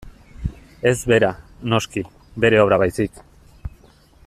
Ez bera, noski, bere obra baizik.